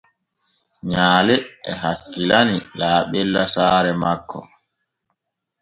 Nyaale e hakkilani laaɓella saare makko.